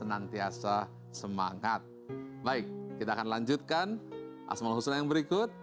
asmal husna yang berikut